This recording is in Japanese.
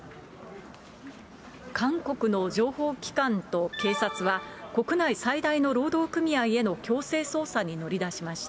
韓国の情報機関と警察は国内最大の労働組合への強制捜査に乗り出しました。